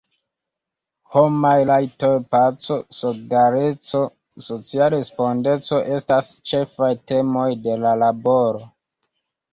Homaj rajtoj, paco, solidareco, socia respondeco estas ĉefaj temoj de la laboro.